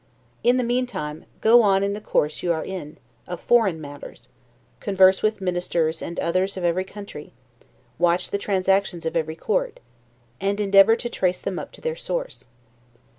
In the meantime, go on in the course you are in, of foreign matters; converse with ministers and others of every country, watch the transactions of every court, and endeavor to trace them up to their source.